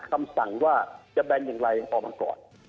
คำสั่งว่าจะแบนอย่างไรออกมาก่อน